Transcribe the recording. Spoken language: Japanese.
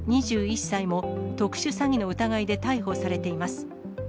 ２１歳も、特殊詐欺の疑いで逮捕されています。